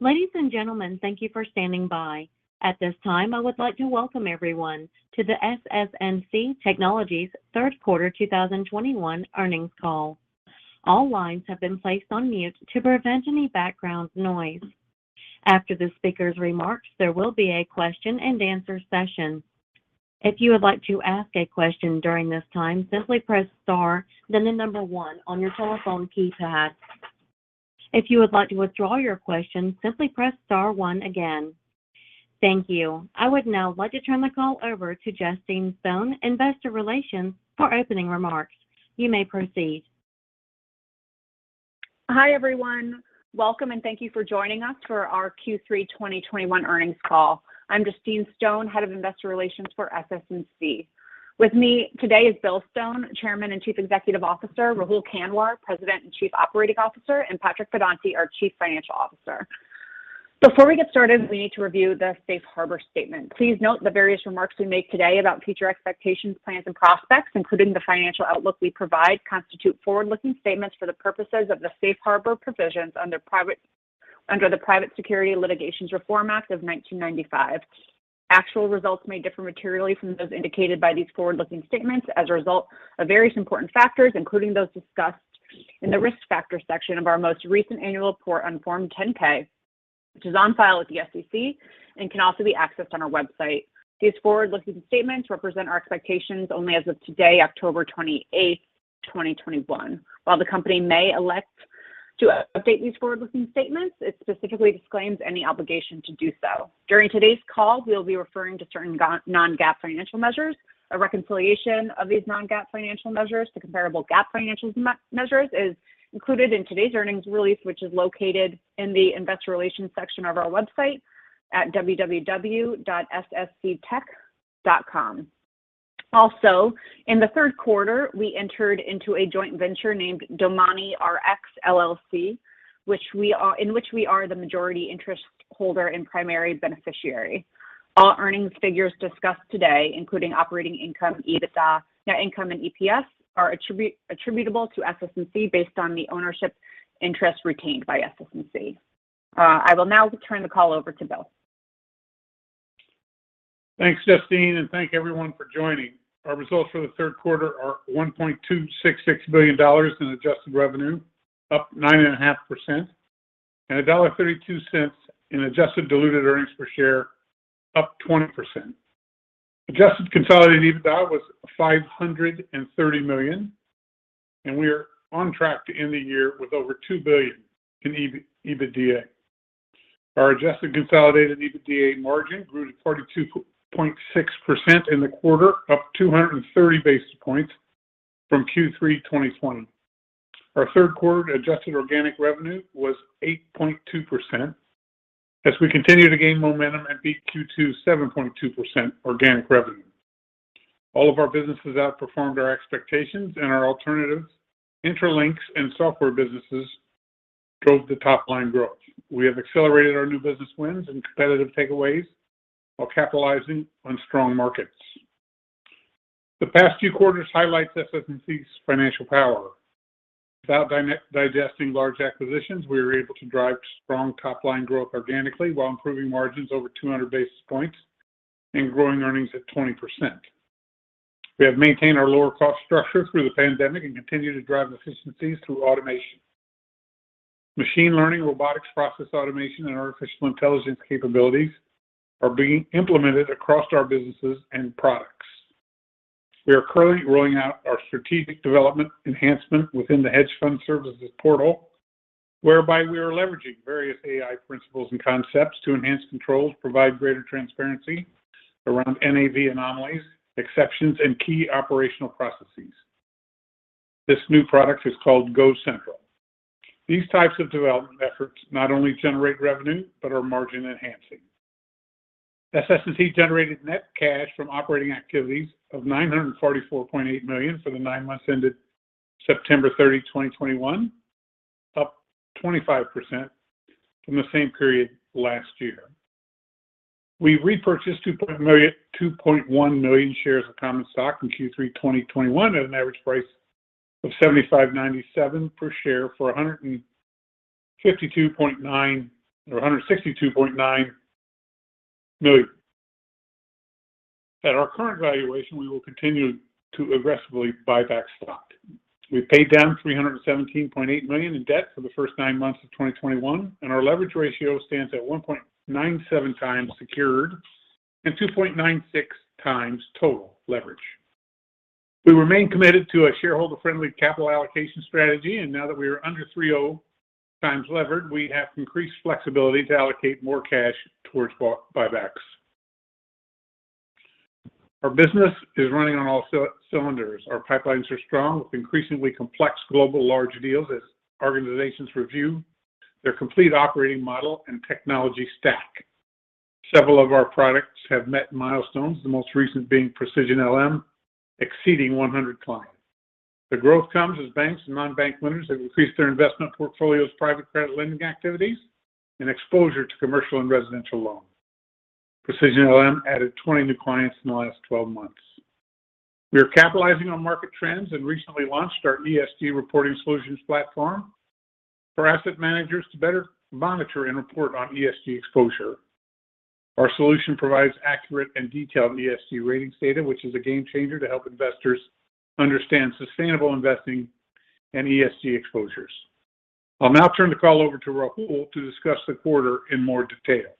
Ladies and gentlemen, thank you for standing by. At this time, I would like to welcome everyone to the SS&C Technologies third quarter 2021 earnings call. All lines have been placed on mute to prevent any background noise. After the speaker's remarks, there will be a question and answer session. If you would like to ask a question during this time, simply press star then the number one on your telephone keypad. If you would like to withdraw your question, simply press star one again. Thank you. I would now like to turn the call over to Justine Stone, Investor Relations, for opening remarks. You may proceed. Hi, everyone. Welcome and thank you for joining us for our Q3 2021 earnings call. I'm Justine Stone, Head of Investor Relations for SS&C. With me today is Bill Stone, Chairman and Chief Executive Officer, Rahul Kanwar, President and Chief Operating Officer, and Patrick Pedonti, our Chief Financial Officer. Before we get started, we need to review the safe harbor statement. Please note the various remarks we make today about future expectations, plans and prospects, including the financial outlook we provide, constitute forward-looking statements for the purposes of the safe harbor provisions under the Private Securities Litigation Reform Act of 1995. Actual results may differ materially from those indicated by these forward-looking statements as a result of various important factors, including those discussed in the risk factor section of our most recent annual report on Form 10-K, which is on file with the SEC and can also be accessed on our website. These forward-looking statements represent our expectations only as of today, October 28, 2021. While the company may elect to update these forward-looking statements, it specifically disclaims any obligation to do so. During today's call, we'll be referring to certain non-GAAP financial measures. A reconciliation of these non-GAAP financial measures to comparable GAAP financial measures is included in today's earnings release, which is located in the investor relations section of our website at www.ssctech.com. Also, in the third quarter, we entered into a joint venture named DomaniRx LLC, in which we are the majority interest holder and primary beneficiary. All earnings figures discussed today, including operating income, EBITDA, net income, and EPS are attributable to SS&C based on the ownership interest retained by SS&C. I will now turn the call over to Bill. Thanks, Justine, and thank everyone for joining. Our results for the third quarter are $1.266 billion in adjusted revenue, up 9.5%, and $1.32 in adjusted diluted earnings per share, up 20%. Adjusted consolidated EBITDA was $530 million, and we are on track to end the year with over $2 billion in EBITDA. Our adjusted consolidated EBITDA margin grew to 32.6% in the quarter, up 230 basis points from Q3 2020. Our third quarter adjusted organic revenue was 8.2% as we continue to gain momentum and beat Q2's 7.2% organic revenue. All of our businesses outperformed our expectations and our alternatives. Intralinks and software businesses drove the top line growth. We have accelerated our new business wins and competitive takeaways while capitalizing on strong markets. The past few quarters highlights SS&C's financial power. Without digesting large acquisitions, we were able to drive strong top-line growth organically while improving margins over 200 basis points and growing earnings at 20%. We have maintained our lower cost structure through the pandemic and continue to drive efficiencies through automation. Machine learning, robotics, process automation, and artificial intelligence capabilities are being implemented across our businesses and products. We are currently rolling out our strategic development enhancement within the hedge fund services portal, whereby we are leveraging various AI principles and concepts to enhance controls, provide greater transparency around NAV anomalies, exceptions, and key operational processes. This new product is called GoCentral. These types of development efforts not only generate revenue, but are margin-enhancing. SS&C generated net cash from operating activities of $944.8 million for the nine months ended September 30, 2021, up 25% from the same period last year. We repurchased 2.1 million shares of common stock in Q3 2021 at an average price of $75.97 per share for $152.9 million or $162.9 million. At our current valuation, we will continue to aggressively buy back stock. We paid down $317.8 million in debt for the first nine months of 2021, and our leverage ratio stands at 1.97x secured and 2.96x total leverage. We remain committed to a shareholder-friendly capital allocation strategy, and now that we are under 3.0x levered, we have increased flexibility to allocate more cash towards buybacks. Our business is running on all cylinders. Our pipelines are strong, with increasingly complex global large deals as organizations review their complete operating model and technology stack. Several of our products have met milestones, the most recent being Precision LM, exceeding 100 clients. The growth comes as banks and non-bank lenders have increased their investment portfolios, private credit lending activities, and exposure to commercial and residential loans. Precision LM added 20 new clients in the last 12 months. We are capitalizing on market trends and recently launched our ESG reporting solutions platform for asset managers to better monitor and report on ESG exposure. Our solution provides accurate and detailed ESG ratings data, which is a game-changer to help investors understand sustainable investing and ESG exposures. I'll now turn the call over to Rahul to discuss the quarter in more detail.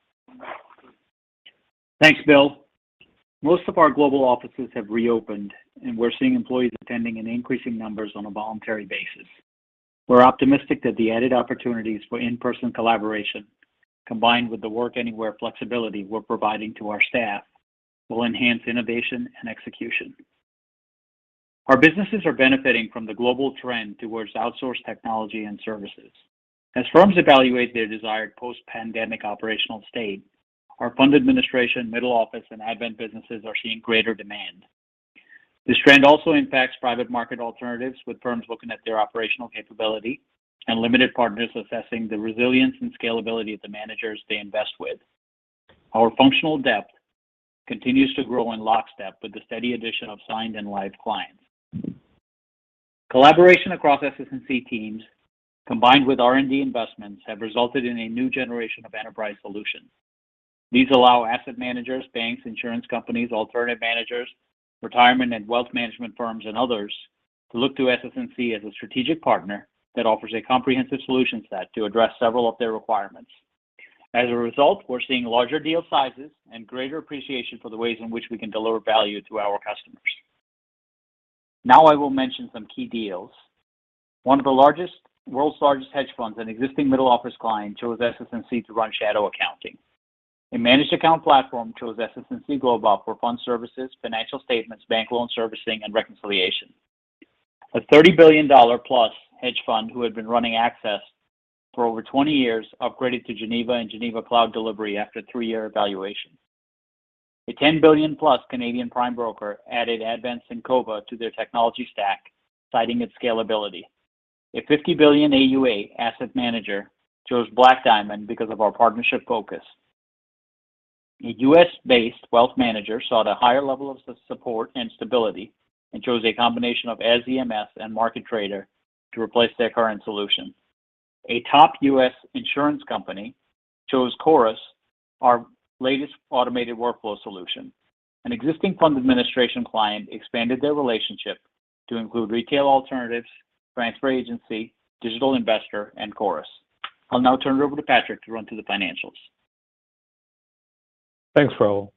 Thanks, Bill. Most of our global offices have reopened, and we're seeing employees attending in increasing numbers on a voluntary basis. We're optimistic that the added opportunities for in-person collaboration, combined with the work-anywhere flexibility we're providing to our staff, will enhance innovation and execution. Our businesses are benefiting from the global trend towards outsourced technology and services. As firms evaluate their desired post-pandemic operational state, our fund administration, middle office, and Advent businesses are seeing greater demand. This trend also impacts private market alternatives, with firms looking at their operational capability and limited partners assessing the resilience and scalability of the managers they invest with. Our functional depth continues to grow in lockstep with the steady addition of signed and live clients. Collaboration across SS&C teams, combined with R&D investments, have resulted in a new generation of enterprise solutions. These allow asset managers, banks, insurance companies, alternative managers, retirement and wealth management firms, and others to look to SS&C as a strategic partner that offers a comprehensive solution set to address several of their requirements. As a result, we're seeing larger deal sizes and greater appreciation for the ways in which we can deliver value to our customers. Now I will mention some key deals. One of the world's largest hedge funds and existing middle office client chose SS&C to run shadow accounting. A managed account platform chose SS&C Global for fund services, financial statements, bank loan servicing, and reconciliation. A $30+ billion hedge fund who had been running Axys for over 20 years upgraded to Geneva and Geneva Cloud delivery after a three-year evaluation. A $10 billion-plus Canadian prime broker added Advent Syncova to their technology stack, citing its scalability. A 50 billion AUA asset manager chose Black Diamond because of our partnership focus. A U.S.-based wealth manager sought a higher level of SaaS support and stability and chose a combination of SEMS and MarketTrader to replace their current solution. A top U.S. insurance company chose Chorus, our latest automated workflow solution. An existing fund administration client expanded their relationship to include retail alternatives, transfer agency, digital investor, and Chorus. I'll now turn it over to Patrick to run through the financials. Thanks, Rahul.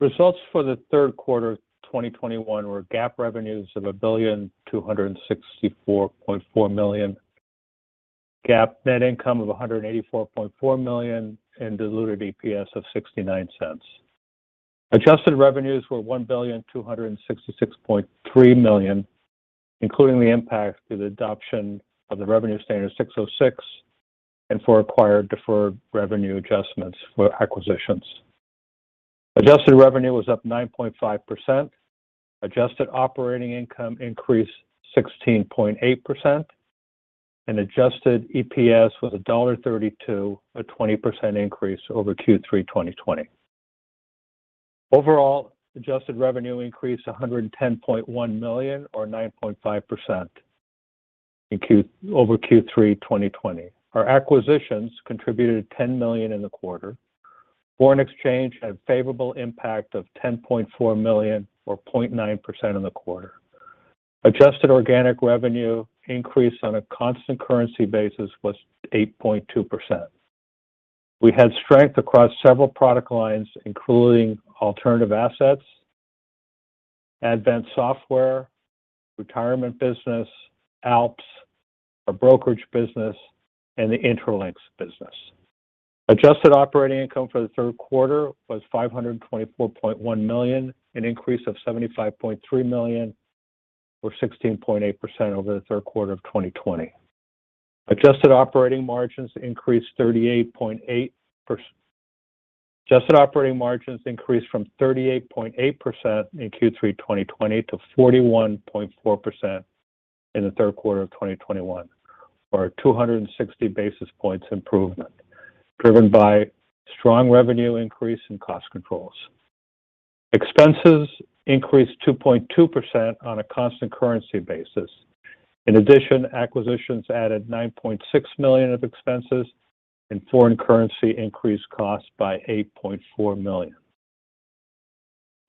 Results for the third quarter 2021 were GAAP revenues of $1,264.4 million, GAAP net income of $184.4 million, and diluted EPS of $0.69. Adjusted revenues were $1,266.3 million, including the impact from the adoption of ASC 606 and for acquired deferred revenue adjustments for acquisitions. Adjusted revenue was up 9.5%. Adjusted operating income increased 16.8%. Adjusted EPS was $1.32, a 20% increase over Q3 2020. Overall, adjusted revenue increased $110.1 million or 9.5% over Q3 2020. Our acquisitions contributed $10 million in the quarter. Foreign exchange had favorable impact of $10.4 million or 0.9% in the quarter. Adjusted organic revenue increase on a constant currency basis was 8.2%. We had strength across several product lines, including alternative assets, Advent Software, retirement business, ALPS, our brokerage business, and the Intralinks business. Adjusted operating income for the third quarter was $524.1 million, an increase of $75.3 million or 16.8% over the third quarter of 2020. Adjusted operating margins increased from 38.8% in Q3 2020 to 41.4% in the third quarter of 2021 or a 260 basis points improvement, driven by strong revenue increase and cost controls. Expenses increased 2.2% on a constant currency basis. In addition, acquisitions added $9.6 million of expenses, and foreign currency increased costs by $8.4 million.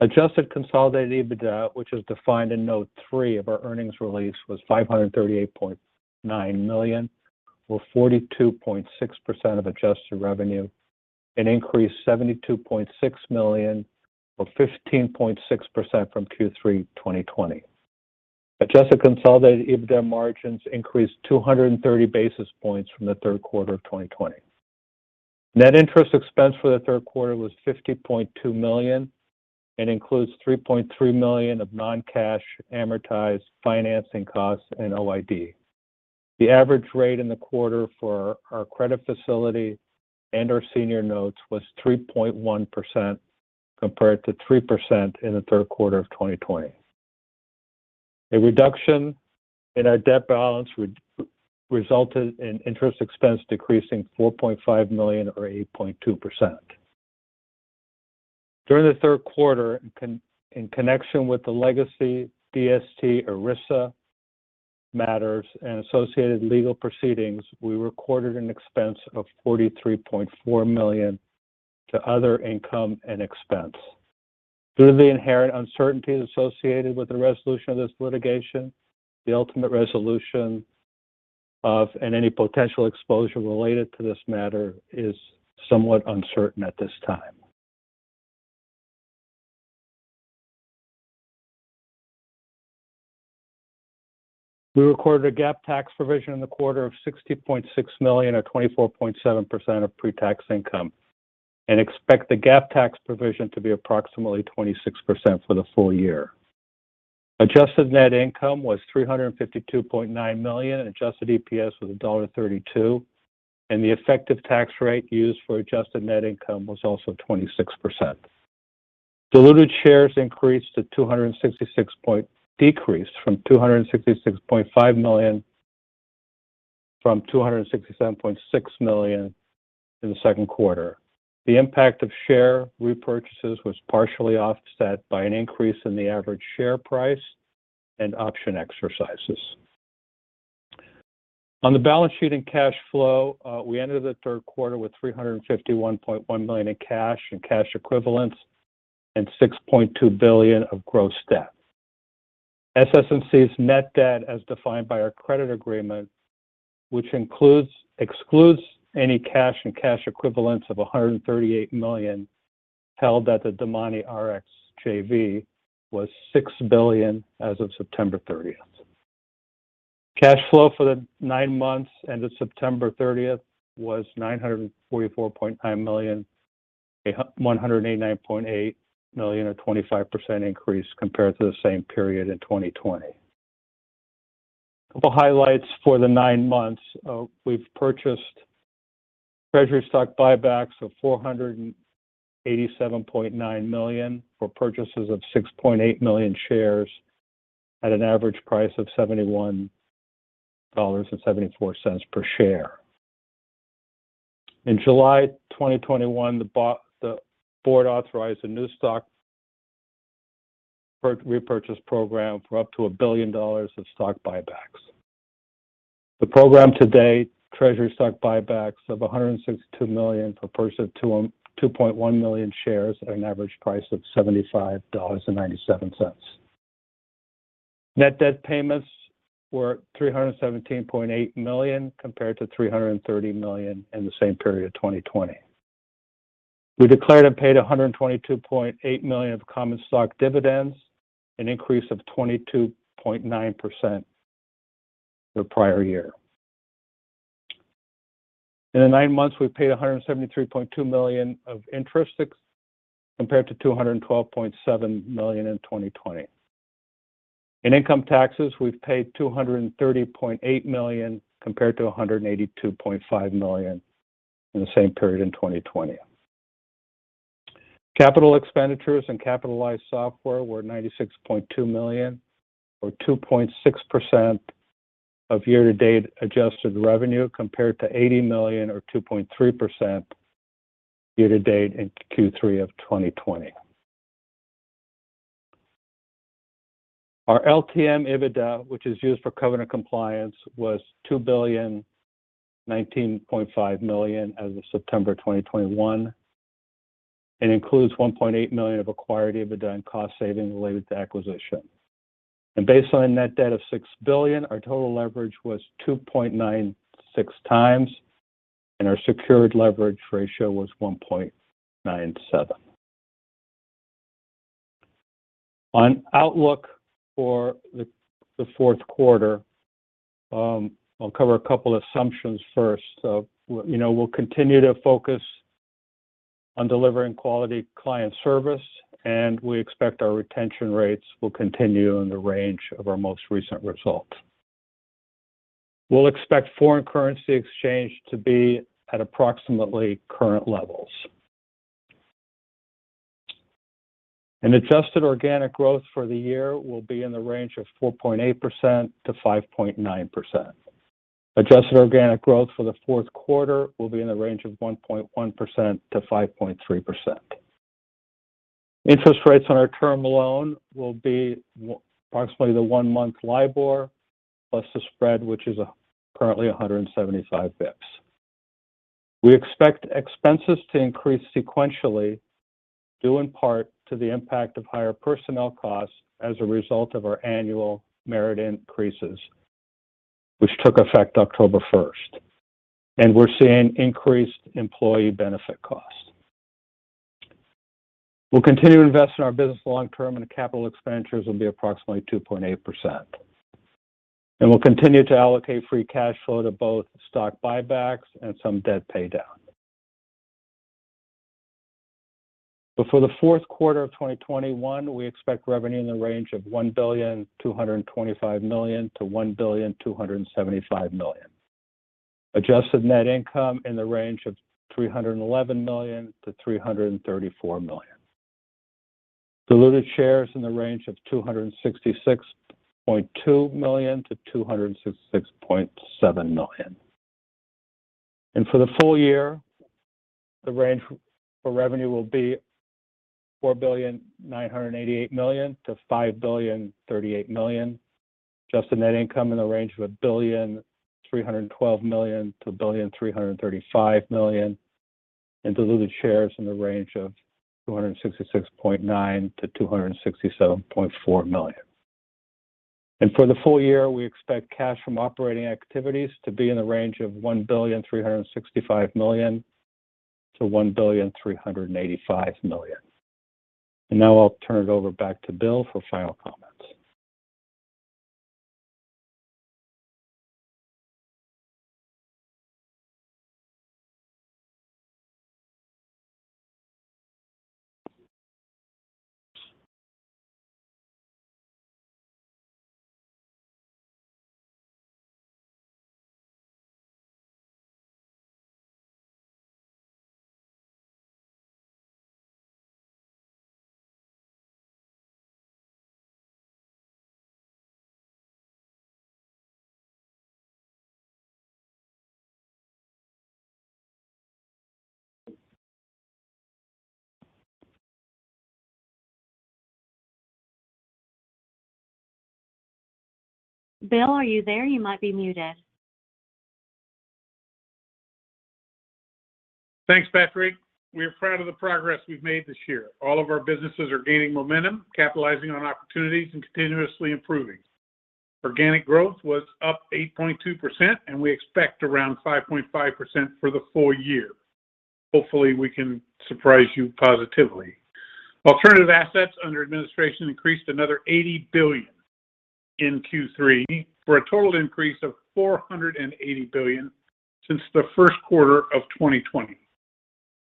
Adjusted consolidated EBITDA, which is defined in note three of our earnings release, was $538.9 million or 42.6% of adjusted revenue, an increase $72.6 million or 15.6% from Q3 2020. Adjusted consolidated EBITDA margins increased 230 basis points from the third quarter of 2020. Net interest expense for the third quarter was $50.2 million and includes $3.3 million of non-cash amortized financing costs and OID. The average rate in the quarter for our credit facility and our senior notes was 3.1% compared to 3% in the third quarter of 2020. A reduction in our debt balance would result in interest expense decreasing $4.5 million or 8.2%. During the third quarter, in connection with the legacy DST/ERISA matters and associated legal proceedings, we recorded an expense of $43.4 million to other income and expense. Due to the inherent uncertainties associated with the resolution of this litigation, the ultimate resolution of, and any potential exposure related to this matter is somewhat uncertain at this time. We recorded a GAAP tax provision in the quarter of $60.6 million or 24.7% of pre-tax income, and expect the GAAP tax provision to be approximately 26% for the full year. Adjusted net income was $352.9 million, adjusted EPS was $1.32, and the effective tax rate used for adjusted net income was also 26%. Diluted shares decreased from 267.6 million in the second quarter to 266.5 million. The impact of share repurchases was partially offset by an increase in the average share price and option exercises. On the balance sheet and cash flow, we ended the third quarter with $351.1 million in cash and cash equivalents and $6.2 billion of gross debt. SS&C's net debt as defined by our credit agreement, which excludes any cash and cash equivalents of $138 million held at the DomaniRx JV, was $6 billion as of September 30th. Cash flow for the nine months ended September 30th was $944.9 million, a $189.8 million or 25% increase compared to the same period in 2020. A couple highlights for the nine months. We've purchased treasury stock buybacks of $487.9 million for purchases of 6.8 million shares at an average price of $71.74 per share. In July 2021, the board authorized a new stock repurchase program for up to $1 billion of stock buybacks. The program to date, treasury stock buybacks of $162 million for purchase of 2.1 million shares at an average price of $75.97. Net debt payments were $317.8 million, compared to $330 million in the same period 2020. We declared and paid $122.8 million of common stock dividends, an increase of 22.9% the prior year. In the nine months, we've paid $173.2 million of interest expense compared to $212.7 million in 2020. In income taxes, we've paid $230.8 million compared to $182.5 million in the same period in 2020. Capital expenditures and capitalized software were $96.2 million or 2.6% of year-to-date adjusted revenue, compared to $80 million or 2.3% year to date in Q3 of 2020. Our LTM EBITDA, which is used for covenant compliance, was $2.0195 billion as of September 2021, and includes $1.8 million of acquired EBITDA and cost saving related to acquisition. Based on net debt of $6 billion, our total leverage was 2.96x, and our secured leverage ratio was 1.97. Our outlook for the fourth quarter, I'll cover a couple assumptions first. You know, we'll continue to focus on delivering quality client service, and we expect our retention rates will continue in the range of our most recent results. We'll expect foreign currency exchange to be at approximately current levels. Our adjusted organic growth for the year will be in the range of 4.8%-5.9%. Adjusted organic growth for the fourth quarter will be in the range of 1.1%-5.3%. Interest rates on our term loan will be approximately the one-month LIBOR plus the spread which is currently 175 basis points. We expect expenses to increase sequentially, due in part to the impact of higher personnel costs as a result of our annual merit increases, which took effect October 1st. We're seeing increased employee benefit costs. We'll continue to invest in our business long-term, and capital expenditures will be approximately 2.8%. We'll continue to allocate free cash flow to both stock buybacks and some debt paydown. For the fourth quarter of 2021, we expect revenue in the range of $1.225 billion-$1.275 billion. Adjusted net income in the range of $311 million-$334 million. Diluted shares in the range of 266.2 million-266.7 million. For the full year, the range for revenue will be $4.988 billion-$5.038 billion. Adjusted net income in the range of $1.312 billion-$1.335 billion. Diluted shares in the range of 266.9 million-267.4 million. For the full year, we expect cash from operating activities to be in the range of $1.365 billion-$1.385 billion. Now I'll turn it over back to Bill for final comments. Bill, are you there? You might be muted. Thanks, Patrick. We are proud of the progress we've made this year. All of our businesses are gaining momentum, capitalizing on opportunities, and continuously improving. Organic growth was up 8.2%, and we expect around 5.5% for the full year. Hopefully, we can surprise you positively. Alternative assets under administration increased another $80 billion in Q3, for a total increase of $480 billion since the first quarter of 2020.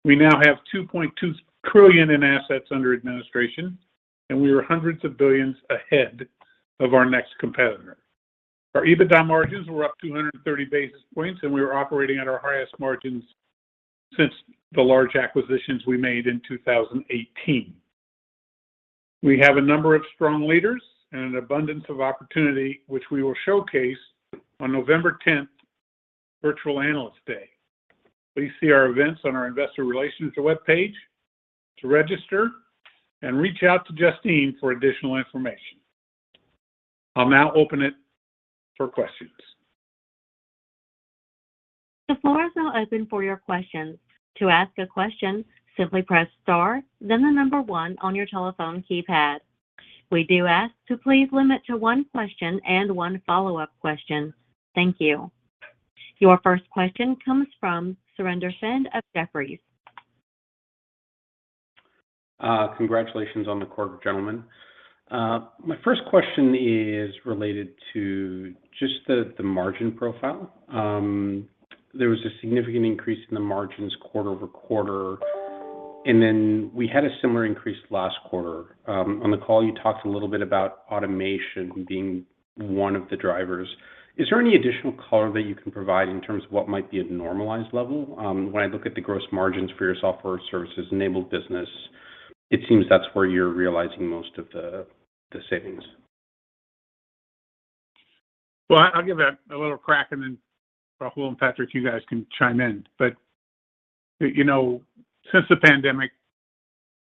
We now have $2.2 trillion in assets under administration, and we are hundreds of billions ahead of our next competitor. Our EBITDA margins were up 230 basis points, and we are operating at our highest margins since the large acquisitions we made in 2018. We have a number of strong leaders and an abundance of opportunity, which we will showcase on November 10, Virtual Analyst Day. Please see our events on our investor relations webpage to register and reach out to Justine for additional information. I'll now open it for questions. The floor is now open for your questions. To ask a question, simply press star then the number one on your telephone keypad. We do ask to please limit to one question and one follow-up question. Thank you. Your first question comes from Surinder Thind of Jefferies. Congratulations on the quarter, gentlemen. My first question is related to just the margin profile. There was a significant increase in the margins quarter over quarter, and then we had a similar increase last quarter. On the call, you talked a little bit about automation being one of the drivers. Is there any additional color that you can provide in terms of what might be a normalized level? When I look at the gross margins for your software services-enabled business, it seems that's where you're realizing most of the savings. I'll give a little crack, and then Rahul and Patrick, you guys can chime in. You know, since the pandemic,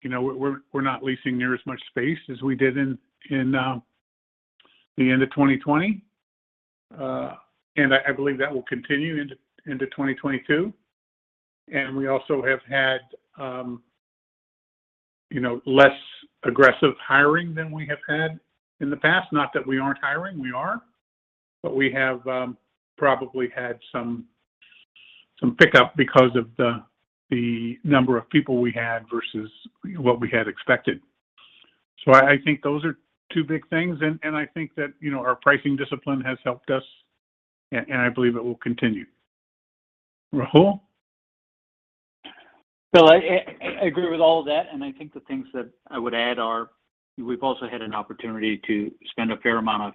you know, we're not leasing near as much space as we did in the end of 2020. I believe that will continue into 2022. We also have had, you know, less aggressive hiring than we have had in the past. Not that we aren't hiring, we are. We have probably had some pickup because of the number of people we had versus what we had expected. I think those are two big things. I think that, you know, our pricing discipline has helped us, and I believe it will continue. Rahul? Bill, I agree with all of that. I think the things that I would add are we've also had an opportunity to spend a fair amount of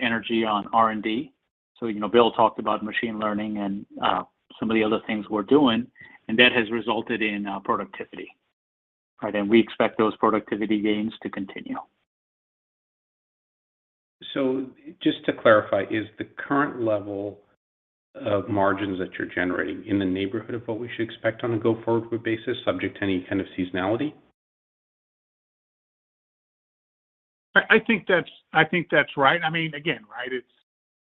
energy on R&D. You know, Bill talked about machine learning and some of the other things we're doing, and that has resulted in productivity, right? We expect those productivity gains to continue. Just to clarify, is the current level of margins that you're generating in the neighborhood of what we should expect on a go-forward basis, subject to any kind of seasonality? I think that's right. I mean, again, right, it's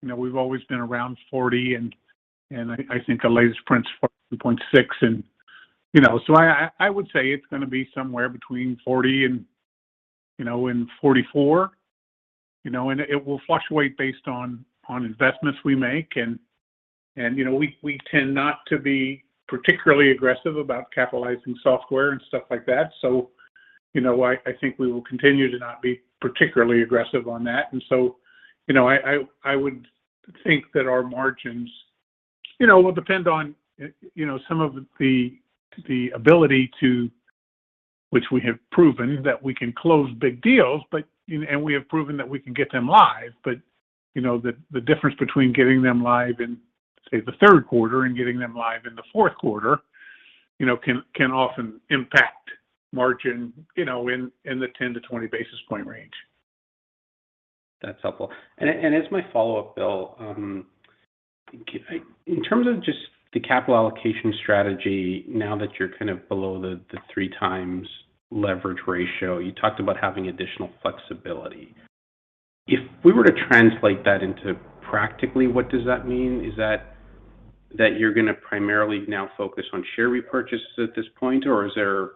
you know, we've always been around 40%, and I think the latest print's 40.6%. You know, I would say it's gonna be somewhere between 40% and 44%, you know. It will fluctuate based on investments we make. You know, we tend not to be particularly aggressive about capitalizing software and stuff like that. I think we will continue to not be particularly aggressive on that. You know, I would think that our margins will depend on you know, some of the ability, which we have proven that we can close big deals, but we have proven that we can get them live. you know, the difference between getting them live in, say, the third quarter and getting them live in the fourth quarter, you know, can often impact margin, you know, in the 10-20 basis point range. That's helpful. As my follow-up, Bill, in terms of just the capital allocation strategy now that you're kind of below the 3x leverage ratio, you talked about having additional flexibility. If we were to translate that into practically, what does that mean? Is that you're gonna primarily now focus on share repurchases at this point, or is there,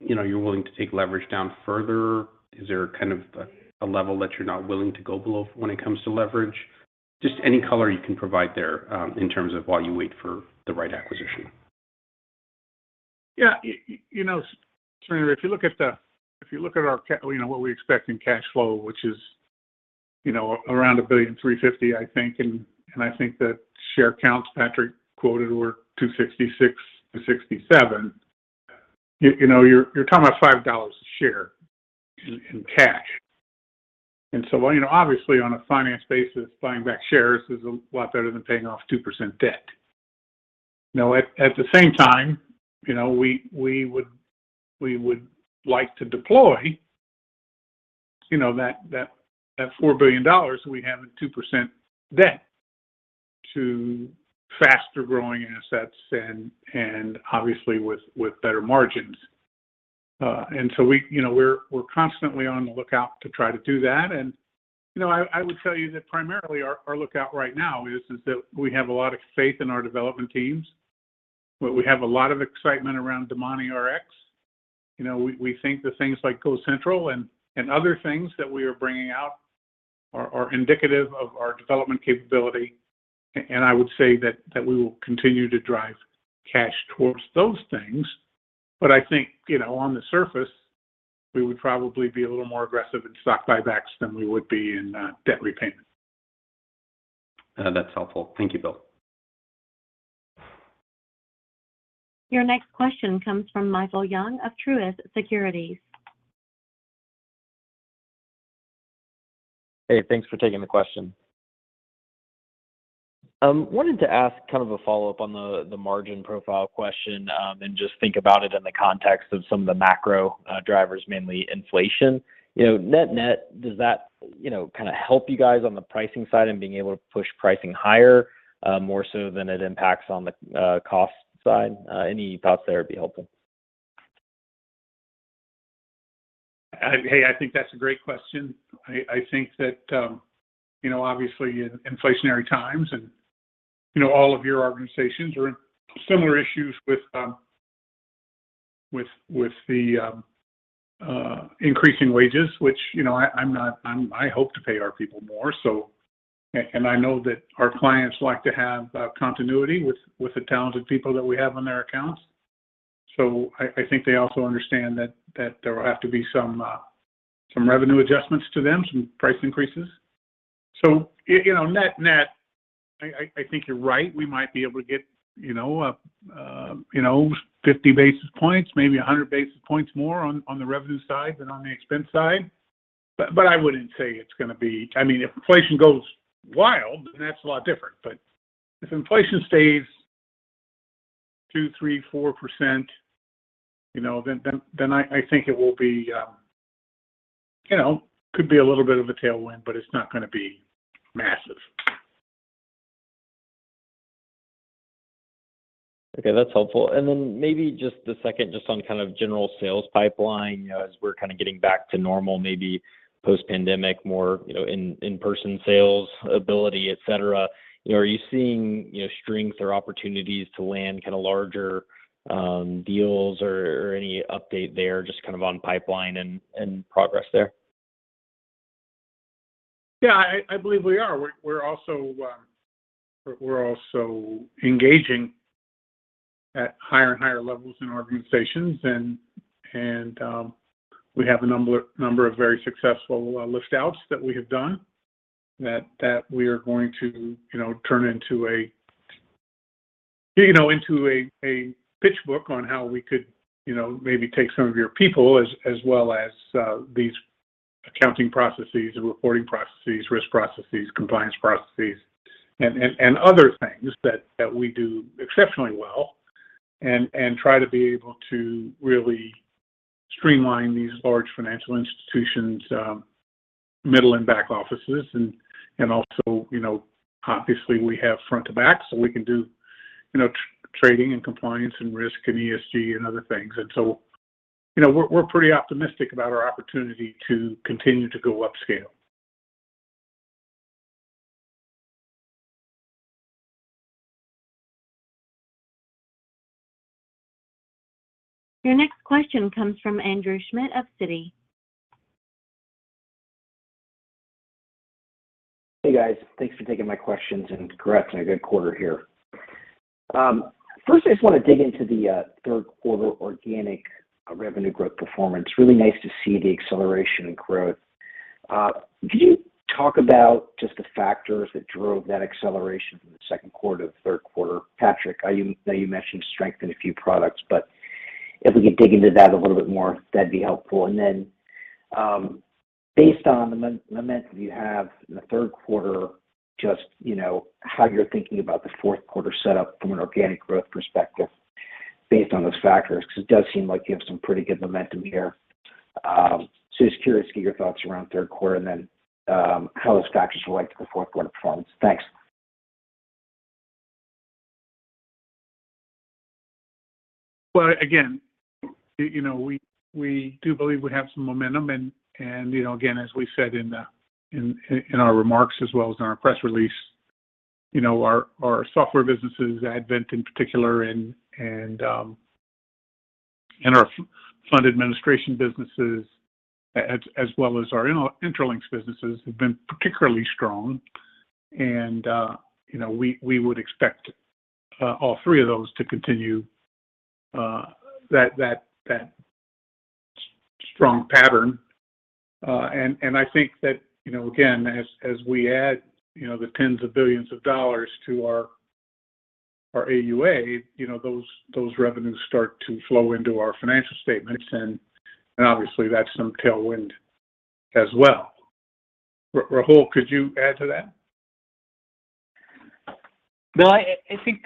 you know, you're willing to take leverage down further? Is there kind of a level that you're not willing to go below when it comes to leverage? Just any color you can provide there, in terms of while you wait for the right acquisition. Yeah. You know, Surinder, if you look at what we expect in cash flow, which is, you know, around $1.35 billion, I think, and I think the share counts Patrick quoted were 266 million-267 million. You know, you're talking about $5 a share in cash. You know, obviously on a finance basis, buying back shares is a lot better than paying off 2% debt. Now, at the same time, you know, we would like to deploy that $4 billion we have in 2% debt to faster-growing assets and obviously with better margins. You know, we're constantly on the lookout to try to do that. You know, I would tell you that primarily our outlook right now is that we have a lot of faith in our development teams, but we have a lot of excitement around DomaniRx. You know, we think that things like GoCentral and other things that we are bringing out are indicative of our development capability. I would say that we will continue to drive cash towards those things. I think, you know, on the surface, we would probably be a little more aggressive in stock buybacks than we would be in debt repayment. That's helpful. Thank you, Bill. Your next question comes from Michael Young of Truist Securities. Hey, thanks for taking the question. Wanted to ask kind of a follow-up on the margin profile question, and just think about it in the context of some of the macro drivers, mainly inflation. You know, net-net, does that, you know, kinda help you guys on the pricing side and being able to push pricing higher, more so than it impacts on the cost side? Any thoughts there would be helpful. Hey, I think that's a great question. I think that, you know, obviously in inflationary times and, you know, all of your organizations are in similar issues with the increasing wages, which, you know, I hope to pay our people more, and I know that our clients like to have continuity with the talented people that we have on their accounts. So I think they also understand that there will have to be some revenue adjustments to them, some price increases. So you know, net-net, I think you're right. We might be able to get, you know, 50 basis points, maybe 100 basis points more on the revenue side than on the expense side. I wouldn't say it's gonna be. I mean, if inflation goes wild, then that's a lot different. If inflation stays 2%, 3%, 4%, you know, then I think it will be, you know, could be a little bit of a tailwind, but it's not gonna be massive. Okay, that's helpful. Then maybe just a second on kind of general sales pipeline, you know, as we're kinda getting back to normal, maybe post-pandemic, more, you know, in-person sales activity, et cetera. You know, are you seeing, you know, strength or opportunities to land kinda larger deals or any update there just kind of on pipeline and progress there? Yeah, I believe we are. We're also engaging at higher and higher levels in organizations. We have a number of very successful list outs that we have done that we are going to turn into a pitch book on how we could maybe take some of your people as well as these accounting processes and reporting processes, risk processes, compliance processes and other things that we do exceptionally well and try to be able to really streamline these large financial institutions' middle and back offices. You know, obviously we have front to back, so we can do trading and compliance and risk and ESG and other things. You know, we're pretty optimistic about our opportunity to continue to go upscale. Your next question comes from Andrew Schmidt of Citi. Hey, guys. Thanks for taking my questions and congrats on a good quarter here. First I just wanna dig into the third quarter organic revenue growth performance. Really nice to see the acceleration in growth. Could you talk about just the factors that drove that acceleration from the second quarter to the third quarter, Patrick? I know you mentioned strength in a few products, but if we could dig into that a little bit more, that'd be helpful. Then, based on the momentum you have in the third quarter, how you're thinking about the fourth quarter set up from an organic growth perspective based on those factors. Because it does seem like you have some pretty good momentum here. Just curious to get your thoughts around third quarter and then, how those factors relate to the fourth quarter performance. Thanks. Well, again, you know, we do believe we have some momentum and, you know, again, as we said in our remarks as well as in our press release, you know, our software businesses, Advent in particular and our fund administration businesses as well as our Intralinks businesses have been particularly strong. We would expect all three of those to continue that strong pattern. I think that, you know, again, as we add, you know, the tens of billions of dollars to our AUA, you know, those revenues start to flow into our financial statements, and obviously that's some tailwind as well. Rahul, could you add to that? No, I think,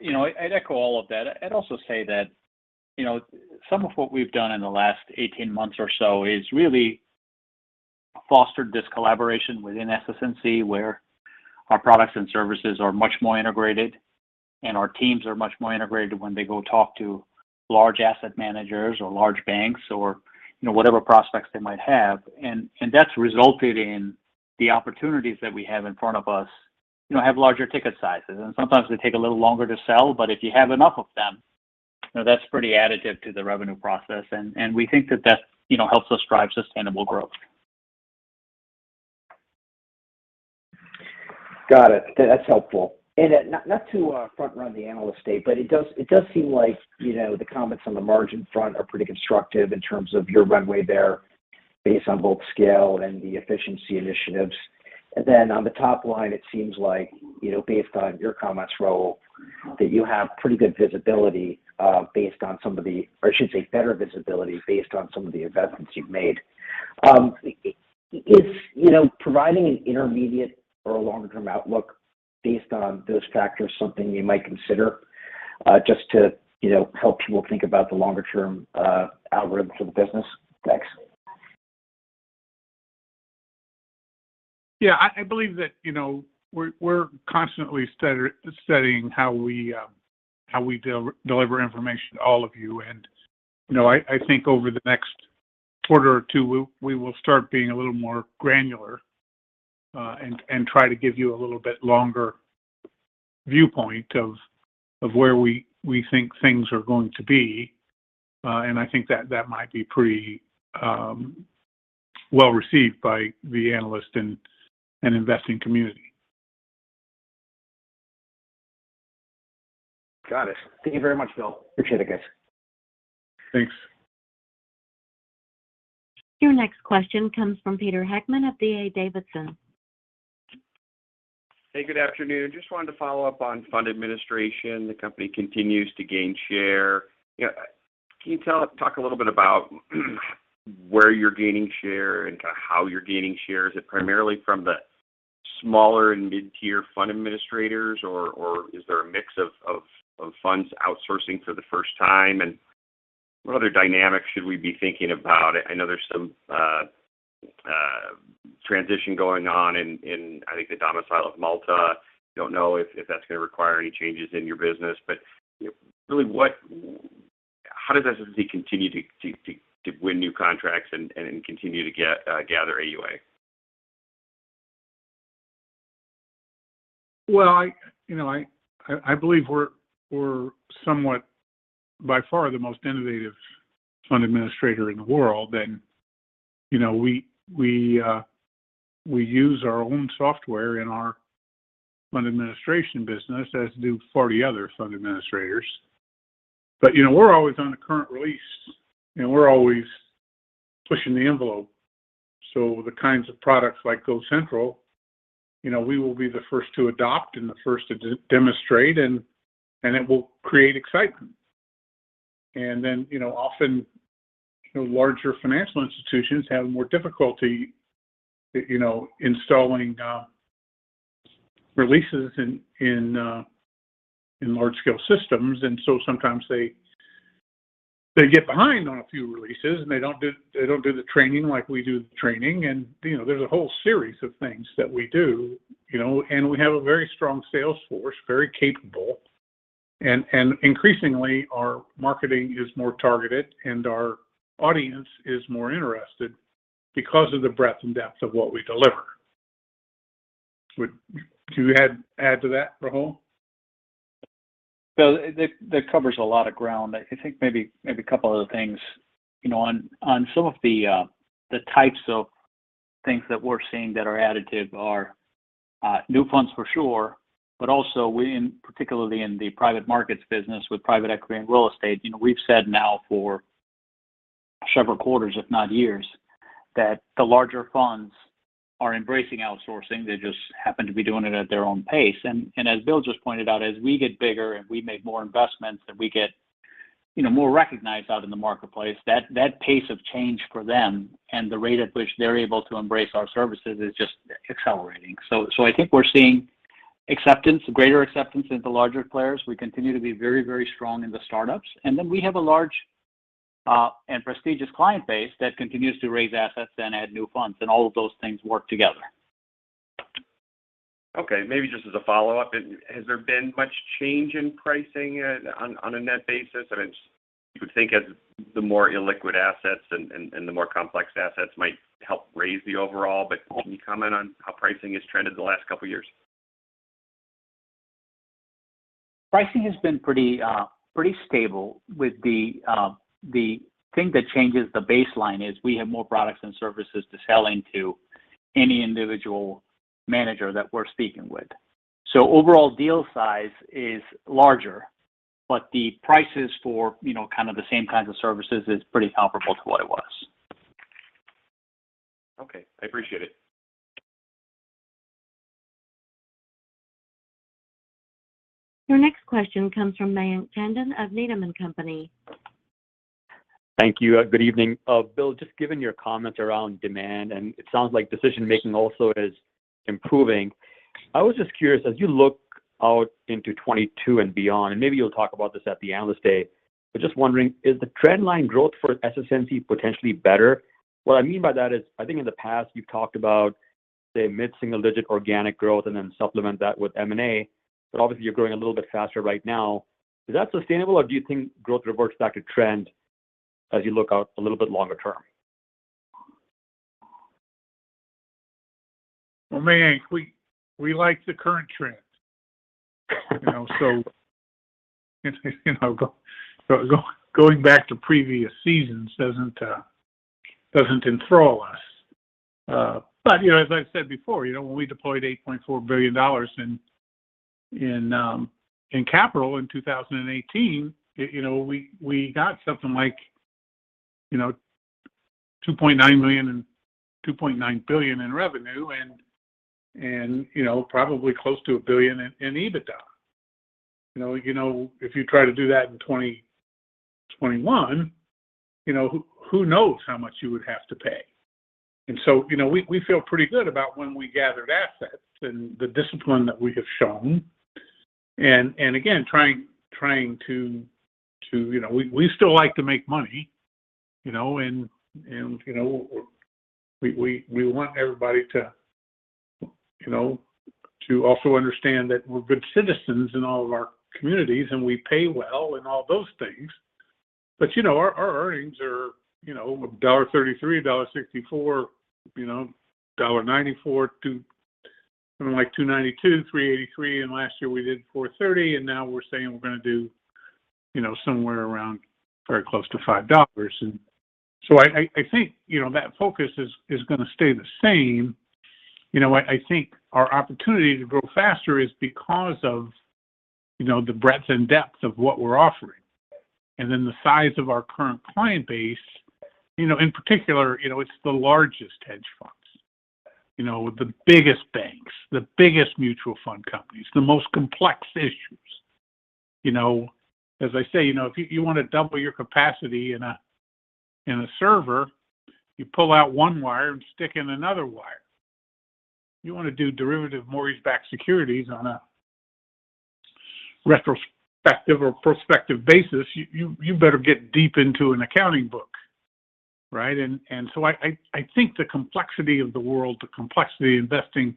you know, I'd echo all of that. I'd also say that, you know, some of what we've done in the last 18 months or so is really fostered this collaboration within SS&C, where our products and services are much more integrated and our teams are much more integrated when they go talk to large asset managers or large banks or, you know, whatever prospects they might have. That's resulted in the opportunities that we have in front of us, you know, have larger ticket sizes, and sometimes they take a little longer to sell, but if you have enough of them, you know, that's pretty additive to the revenue process. We think that that, you know, helps us drive sustainable growth. Got it. That's helpful. Not to front-run the Q&A, but it does seem like you know the comments on the margin front are pretty constructive in terms of your runway there based on both scale and the efficiency initiatives. On the top line, it seems like you know based on your comments, Rahul, that you have pretty good visibility, or I should say better visibility based on some of the investments you've made. Is you know providing an intermediate or a longer-term outlook based on those factors something you might consider just to you know help people think about the longer-term algorithm for the business? Thanks. Yeah. I believe that, you know, we're constantly studying how we deliver information to all of you. You know, I think over the next quarter or two, we will start being a little more granular, and try to give you a little bit longer viewpoint of where we think things are going to be. I think that might be pretty well-received by the analyst and investing community. Got it. Thank you very much, Bill. Appreciate it, guys. Thanks. Your next question comes from Peter Heckmann of D.A. Davidson. Hey, good afternoon. Just wanted to follow up on fund administration. The company continues to gain share. Can you talk a little bit about where you're gaining share and how you're gaining share? Is it primarily from the smaller and mid-tier fund administrators or is there a mix of funds outsourcing for the first time? And what other dynamics should we be thinking about? I know there's some transition going on, I think, the domicile of Malta. Don't know if that's gonna require any changes in your business. Really, how does SS&C continue to win new contracts and continue to gather AUA? Well, you know, I believe we're somewhat by far the most innovative fund administrator in the world. You know, we use our own software in our fund administration business, as do 40 other fund administrators. You know, we're always on a current release, and we're always pushing the envelope. The kinds of products like GoCentral, you know, we will be the first to adopt and the first to demonstrate and it will create excitement. Then, you know, often, you know, larger financial institutions have more difficulty, you know, installing releases in large scale systems. Sometimes they get behind on a few releases and they don't do the training like we do the training. You know, there's a whole series of things that we do, you know. We have a very strong sales force, very capable. Increasingly our marketing is more targeted and our audience is more interested because of the breadth and depth of what we deliver. Do you add to that, Rahul? Bill, that covers a lot of ground. I think maybe a couple other things. You know, on some of the types of things that we're seeing that are additive are new funds for sure, but also we particularly in the private markets business with private equity and real estate, you know, we've said now for several quarters, if not years, that the larger funds are embracing outsourcing. They just happen to be doing it at their own pace. As Bill just pointed out, as we get bigger and we make more investments, and we get, you know, more recognized out in the marketplace, that pace of change for them and the rate at which they're able to embrace our services is just accelerating. I think we're seeing acceptance, greater acceptance into larger players. We continue to be very, very strong in the startups. Then we have a large, and prestigious client base that continues to raise assets and add new funds, and all of those things work together. Okay, maybe just as a follow-up, has there been much change in pricing on a net basis? I mean, you would think as the more illiquid assets and the more complex assets might help raise the overall, but can you comment on how pricing has trended the last couple of years? Pricing has been pretty stable. The thing that changes the baseline is we have more products and services to sell into any individual manager that we're speaking with. Overall deal size is larger, but the prices for, you know, kind of the same kinds of services is pretty comparable to what it was. Okay, I appreciate it. Your next question comes from Mayank Tandon of Needham & Company. Thank you. Good evening. Bill, just given your comments around demand, and it sounds like decision-making also is improving. I was just curious, as you look out into 2022 and beyond, and maybe you'll talk about this at the Analyst Day, but just wondering, is the trend line growth for SS&C potentially better? What I mean by that is, I think in the past you've talked about, say, mid-single digit organic growth and then supplement that with M&A, but obviously you're growing a little bit faster right now. Is that sustainable or do you think growth reverts back to trend as you look out a little bit longer term? Well, Mayank, we like the current trends, you know. Going back to previous seasons doesn't enthrall us. But, you know, as I said before, you know, when we deployed $8.4 billion in capital in 2018, you know, we got something like, you know, $2.9 billion in revenue and, you know, probably close to $1 billion in EBITDA. You know, if you try to do that in 2021, you know, who knows how much you would have to pay. We feel pretty good about when we gathered assets and the discipline that we have shown. Again, trying to, you know... We still like to make money, you know, and we want everybody to, you know, to also understand that we're good citizens in all of our communities, and we pay well and all those things. But you know, our earnings are, you know, $1.33, $1.64, you know, $1.94 to something like $2.92, $3.83, and last year we did $4.30, and now we're saying we're gonna do, you know, somewhere around very close to $5. I think, you know, that focus is gonna stay the same. You know, I think our opportunity to grow faster is because of, you know, the breadth and depth of what we're offering. The size of our current client base, you know, in particular, you know, it's the largest hedge funds, you know, the biggest banks, the biggest mutual fund companies, the most complex issues. You know, as I say, you know, if you wanna double your capacity in a server, you pull out one wire and stick in another wire. You wanna do derivative mortgage-backed securities on a retrospective or prospective basis, you better get deep into an accounting book, right? I think the complexity of the world, the complexity investing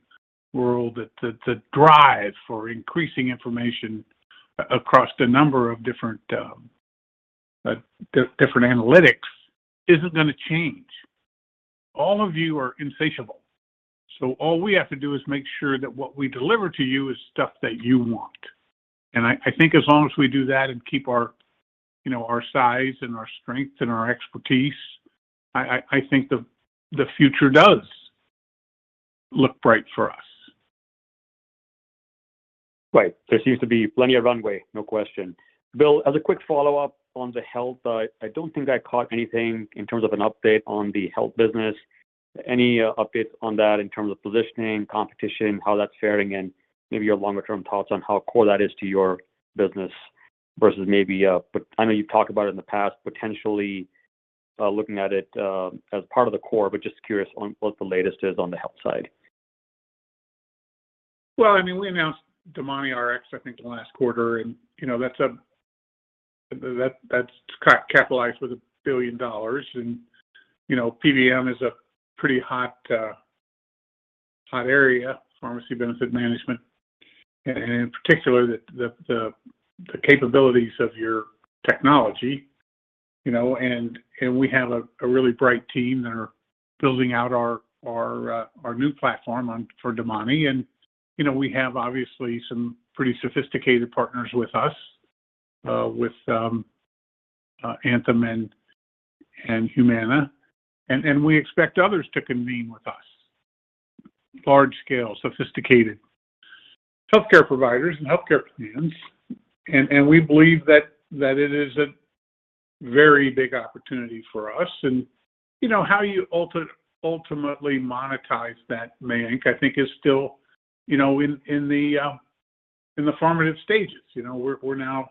world, the drive for increasing information across the number of different analytics isn't gonna change. All of you are insatiable. All we have to do is make sure that what we deliver to you is stuff that you want. I think as long as we do that and keep our, you know, our size and our strength and our expertise, I think the future does look bright for us. Right. There seems to be plenty of runway, no question. Bill, as a quick follow-up on the health, I don't think I caught anything in terms of an update on the health business. Any updates on that in terms of positioning, competition, how that's faring, and maybe your longer-term thoughts on how core that is to your business versus maybe, I know you've talked about it in the past, potentially looking at it as part of the core, but just curious on what the latest is on the health side. Well, I mean, we announced DomaniRx, I think, last quarter and, you know, that's capitalized with $1 billion and, you know, PBM is a pretty hot area, pharmacy benefit management, and in particular the capabilities of your technology, you know. We have a really bright team that are building out our new platform for DomaniRx. You know, we have obviously some pretty sophisticated partners with us, with Anthem and Humana. We expect others to convene with us, large scale, sophisticated healthcare providers and healthcare plans. We believe that it is a very big opportunity for us. You know, how you ultimately monetize that, Mayank, I think is still, you know, in the formative stages. You know, we're now,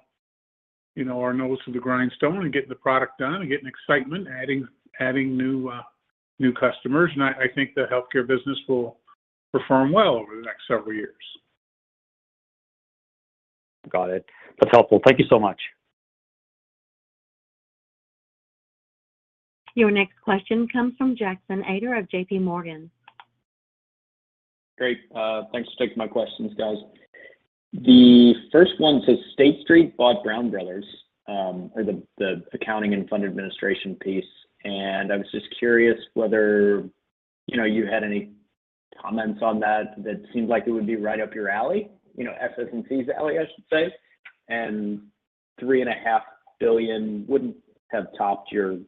you know, our nose to the grindstone and getting the product done and getting excitement, adding new customers. I think the healthcare business will perform well over the next several years. Got it. That's helpful. Thank you so much. Your next question comes from Jackson Ader of JPMorgan. Great. Thanks for taking my questions, guys. The first one, State Street bought Brown Brothers, or the accounting and fund administration piece. I was just curious whether, you know, you had any comments on that. That seems like it would be right up your alley. You know, SS&C's alley, I should say. $3.5 billion wouldn't have topped your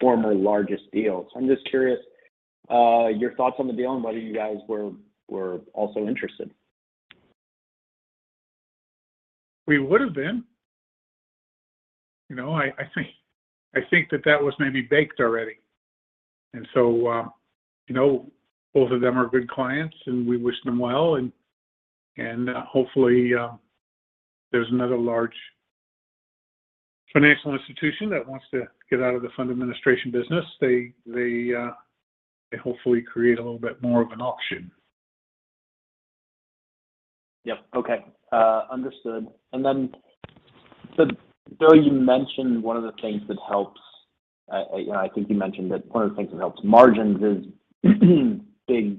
former largest deal. I'm just curious, your thoughts on the deal and whether you guys were also interested. We would have been. You know, I think that was maybe baked already. You know, both of them are good clients, and we wish them well. Hopefully, there's another large financial institution that wants to get out of the fund administration business. They hopefully create a little bit more of an auction. Yep. Okay. Understood. Bill, I think you mentioned that one of the things that helps margins is big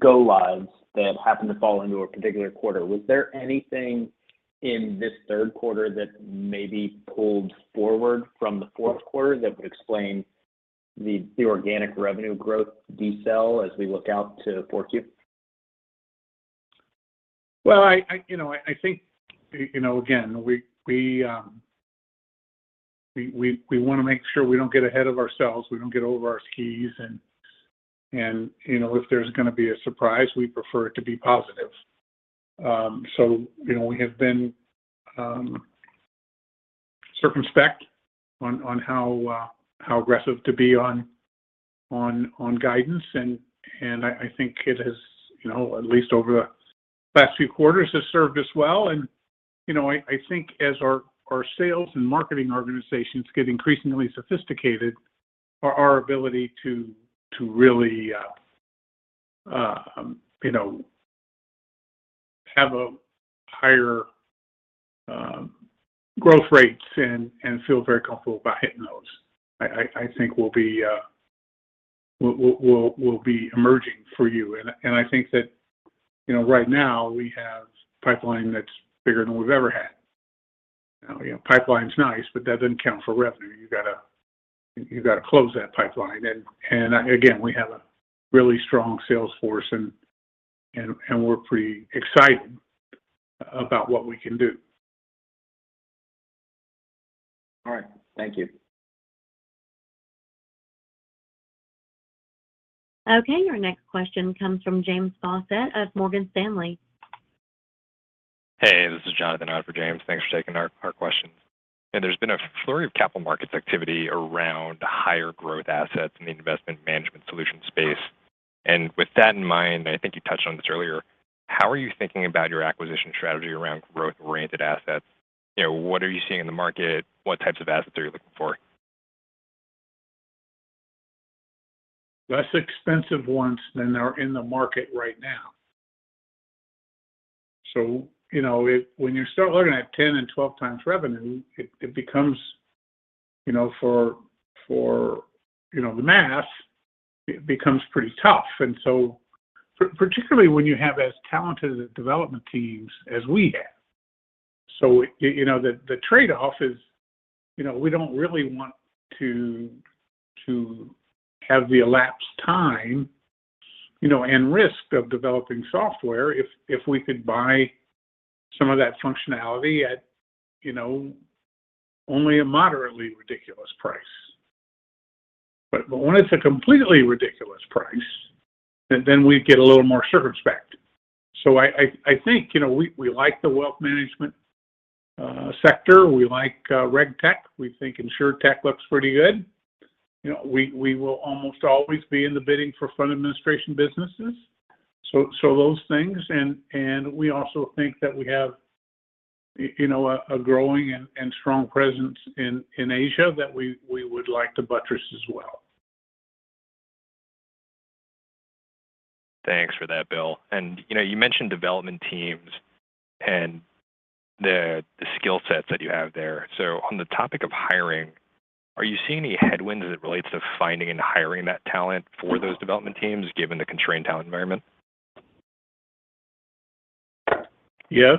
go lives that happen to fall into a particular quarter. Was there anything in this third quarter that maybe pulled forward from the fourth quarter that would explain the organic revenue growth decel as we look out to 4Q? Well, you know, I think, you know, again, we wanna make sure we don't get ahead of ourselves, we don't get over our skis, and you know, if there's gonna be a surprise, we prefer it to be positive. You know, we have been circumspect on how aggressive to be on guidance. I think it has, you know, at least over the last few quarters, has served us well. You know, I think as our sales and marketing organizations get increasingly sophisticated, our ability to really you know, have a higher growth rates and feel very comfortable about hitting those. I think we'll be, we'll be emerging for you. I think that, you know, right now we have pipeline that's bigger than we've ever had. You know, pipeline's nice, but that doesn't count for revenue. You gotta close that pipeline. We have a really strong sales force, and we're pretty excited about what we can do. All right. Thank you. Okay, your next question comes from James Faucette of Morgan Stanley. Hey, this is Jonathan on for James. Thanks for taking our questions. There's been a flurry of capital markets activity around higher growth assets in the investment management solution space. With that in mind, I think you touched on this earlier, how are you thinking about your acquisition strategy around growth-oriented assets? You know, what are you seeing in the market? What types of assets are you looking for? Less expensive ones than are in the market right now. You know, it when you start looking at 10x and 12x revenue, it becomes, you know, the math, it becomes pretty tough. Particularly when you have as talented development teams as we have. You know, the trade-off is, you know, we don't really want to have the elapsed time, you know, and risk of developing software if we could buy some of that functionality at, you know, only a moderately ridiculous price. But when it's a completely ridiculous price, then we get a little more circumspect. I think, you know, we like the wealth management sector. We like RegTech. We think InsurTech looks pretty good. You know, we will almost always be in the bidding for fund administration businesses. Those things, and we also think that we have, you know, a growing and strong presence in Asia that we would like to buttress as well. Thanks for that, Bill. You know, you mentioned development teams and the skill sets that you have there. On the topic of hiring, are you seeing any headwinds as it relates to finding and hiring that talent for those development teams, given the constrained talent environment? Yes.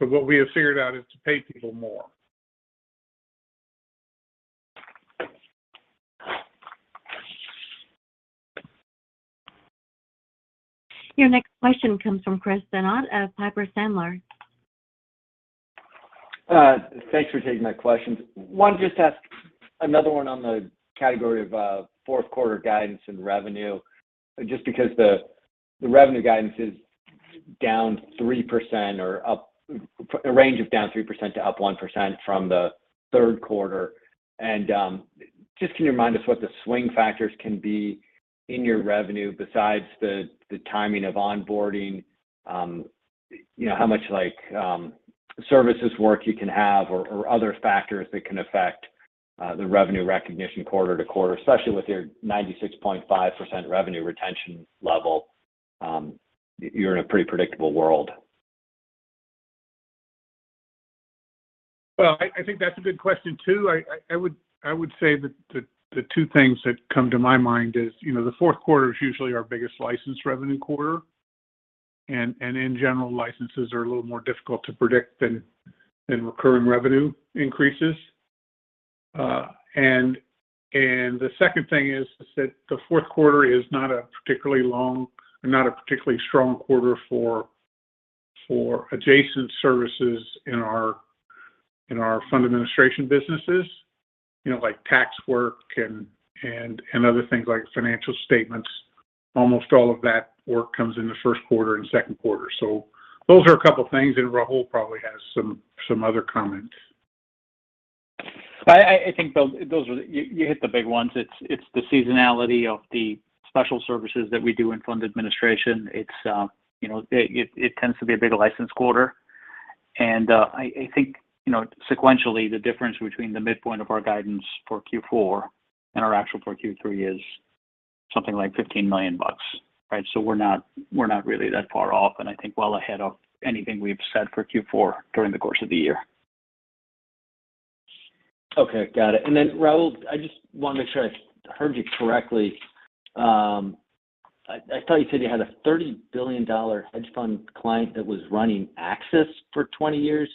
What we have figured out is to pay people more. Your next question comes from Chris Donat of Piper Sandler. Thanks for taking my questions. One, just to ask another one on the category of fourth quarter guidance and revenue, just because the revenue guidance is down 3% or up a range of down 3% to up 1% from the third quarter. Just can you remind us what the swing factors can be in your revenue besides the timing of onboarding, you know, how much like services work you can have or other factors that can affect the revenue recognition quarter to quarter, especially with your 96.5% revenue retention level, you're in a pretty predictable world. Well, I think that's a good question too. I would say that the two things that come to my mind is, you know, the fourth quarter is usually our biggest licensed revenue quarter. In general, licenses are a little more difficult to predict than recurring revenue increases. The second thing is that the fourth quarter is not a particularly strong quarter for adjacent services in our fund administration businesses, you know, like tax work and other things like financial statements. Almost all of that work comes in the first quarter and second quarter. Those are a couple of things, and Rahul probably has some other comment. I think those are. You hit the big ones. It's the seasonality of the special services that we do in fund administration. It tends to be a bigger license quarter. I think sequentially, the difference between the midpoint of our guidance for Q4 and our actual for Q3 is something like $15 million, right? We're not really that far off, and I think well ahead of anything we've said for Q4 during the course of the year. Okay, got it. Then, Rahul, I just want to make sure I heard you correctly. I thought you said you had a $30 billion hedge fund client that was running Axys for 20 years.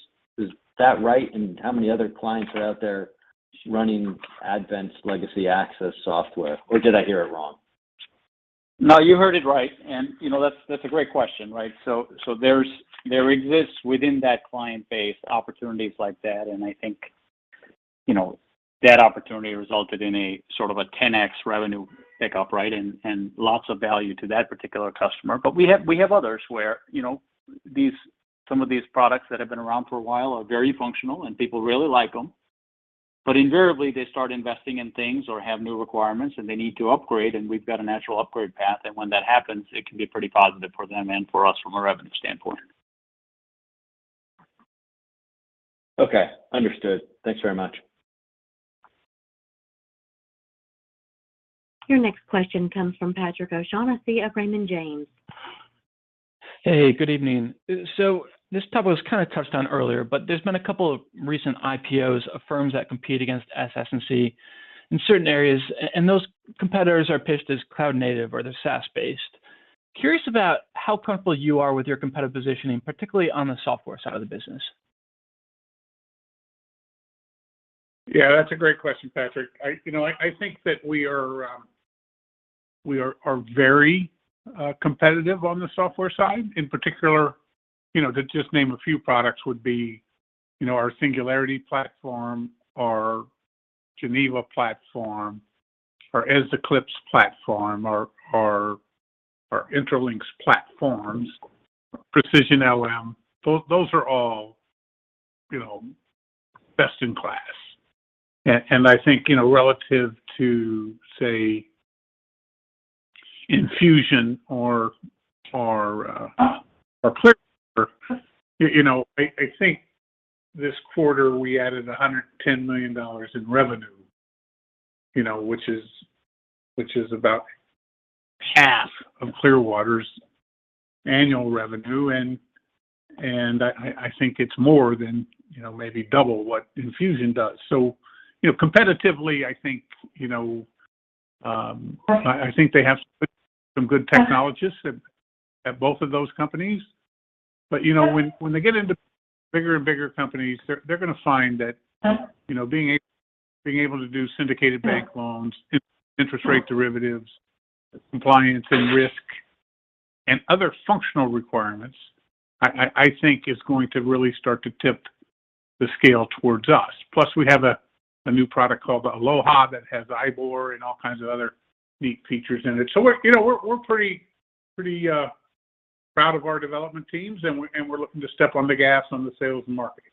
Is that right? How many other clients are out there running Advent's legacy Axys software, or did I hear it wrong? No, you heard it right. You know, that's a great question, right? There exists within that client base opportunities like that. I think, you know, that opportunity resulted in a sort of a 10x revenue pickup, right? Lots of value to that particular customer. We have others where, you know, some of these products that have been around for a while are very functional, and people really like them. Invariably, they start investing in things or have new requirements, and they need to upgrade, and we've got a natural upgrade path. When that happens, it can be pretty positive for them and for us from a revenue standpoint. Okay. Understood. Thanks very much. Your next question comes from Patrick O'Shaughnessy of Raymond James. Hey, good evening. This topic was kind of touched on earlier, but there's been a couple of recent IPOs of firms that compete against SS&C in certain areas, and those competitors are pitched as cloud-native or they're SaaS-based. Curious about how comfortable you are with your competitive positioning, particularly on the software side of the business? Yeah, that's a great question, Patrick. I think that we are very competitive on the software side. In particular, to just name a few products would be our Singularity platform, our Geneva platform, our Eze Eclipse platform, our Intralinks platforms, Precision LM. Those are all best in class. And I think, relative to, say, Enfusion or Clearwater, I think this quarter we added $110 million in revenue, which is about half of Clearwater's annual revenue. And I think it's more than maybe double what Enfusion does. Competitively, I think they have some good technologists at both of those companies. You know, when they get into bigger and bigger companies, they're gonna find that, you know, being able to do syndicated bank loans, interest rate derivatives, compliance and risk, and other functional requirements, I think is going to really start to tip the scale towards us. Plus, we have a new product called Aloha that has IBOR and all kinds of other neat features in it. We're, you know, we're pretty proud of our development teams, and we're looking to step on the gas on the sales and marketing.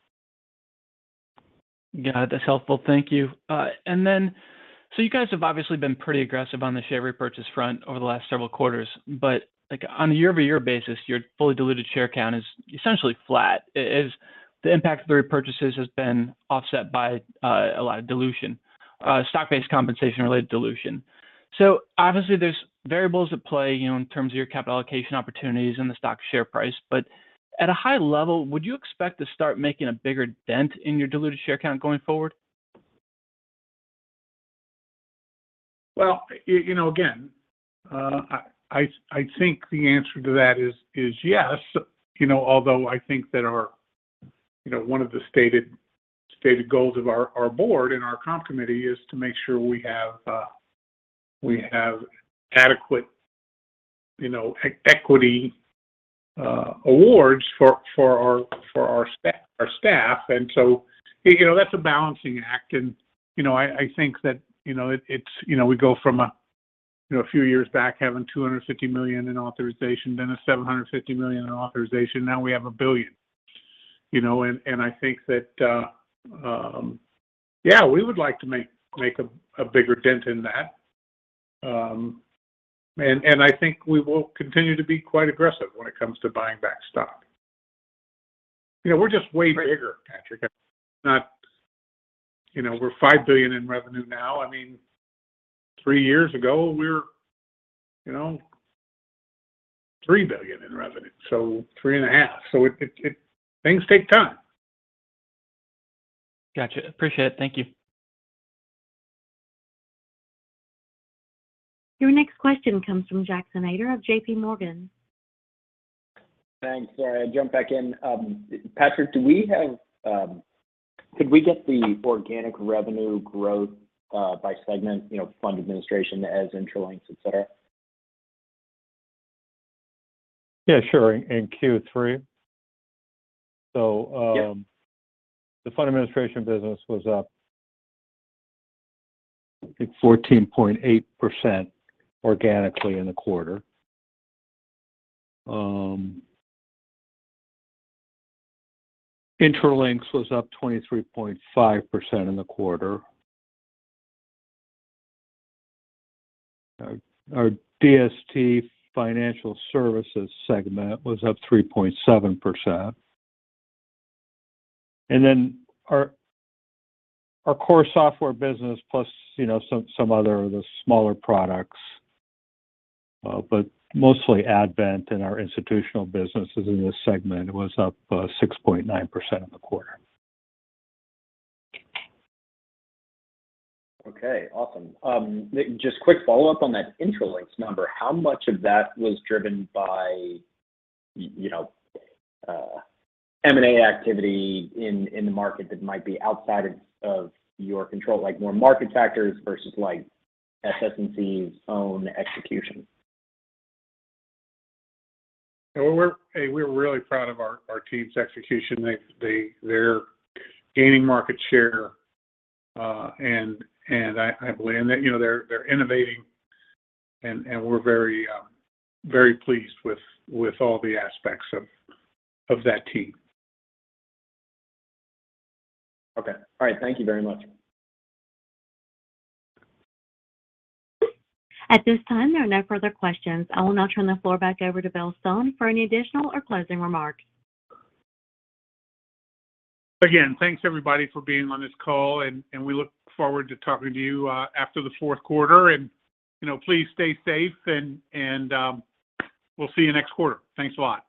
Got it. That's helpful. Thank you. You guys have obviously been pretty aggressive on the share repurchase front over the last several quarters. Like, on a year-over-year basis, your fully diluted share count is essentially flat. Is the impact of the repurchases has been offset by a lot of dilution, stock-based compensation-related dilution. Obviously, there's variables at play, you know, in terms of your capital allocation opportunities and the stock share price. At a high level, would you expect to start making a bigger dent in your diluted share count going forward? Well, you know, again, I think the answer to that is yes. You know, although I think that our. You know, one of the stated goals of our board and our comp committee is to make sure we have adequate, you know, equity awards for our staff. You know, that's a balancing act. You know, I think that, you know, it's, you know, we go from a few years back having $250 million in authorization, then a $750 million in authorization, now we have $1 billion. You know, and I think that, yeah, we would like to make a bigger dent in that. I think we will continue to be quite aggressive when it comes to buying back stock. You know, we're just way bigger, Patrick. You know, we're $5 billion in revenue now. I mean, three years ago, we were, you know, $3 billion in revenue, so $3.5 billion. Things take time. Gotcha. Appreciate it. Thank you. Your next question comes from Jackson Ader of JPMorgan. Thanks. Jump back in. Patrick, could we get the organic revenue growth by segment, you know, fund administration as Intralinks, et cetera? Yeah, sure. In Q3? Yes. The fund administration business was up, I think, 14.8% organically in the quarter. Intralinks was up 23.5% in the quarter. Our DST Financial Services segment was up 3.7%. Our core software business plus, you know, some other of the smaller products, but mostly Advent and our institutional businesses in this segment was up 6.9% in the quarter. Okay, awesome. Just quick follow-up on that Intralinks number. How much of that was driven by you know M&A activity in the market that might be outside of your control? Like more market factors versus like SS&C's own execution. Hey, we're really proud of our team's execution. They're gaining market share, and I believe you know, they're innovating, and we're very pleased with all the aspects of that team. Okay. All right. Thank you very much. At this time, there are no further questions. I will now turn the floor back over to Bill Stone for any additional or closing remarks. Again, thanks everybody for being on this call, and we look forward to talking to you after the fourth quarter. You know, please stay safe and we'll see you next quarter. Thanks a lot.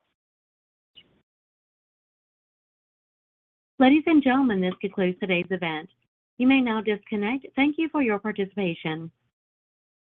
Ladies and gentlemen, this concludes today's event. You may now disconnect. Thank you for your participation.